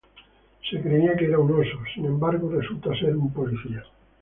Se creía que era un oso, sin embargo, resulta ser un policía.